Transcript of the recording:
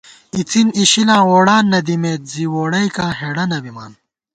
اِڅِن اِشِلاں ووڑان نہ دِمېت ، زی ووڑَئیکاں ہېڑہ نہ بِمان